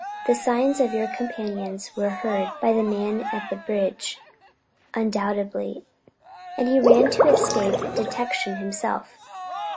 The signals of your companions were heard by the man at the bridge undoubtedly, and he ran to escape detection himself.